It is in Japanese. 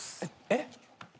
えっ？